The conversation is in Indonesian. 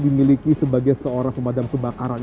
dimiliki sebagai seorang pemadam kebakaran